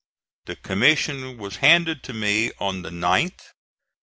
The commission was handed to me on the 9th.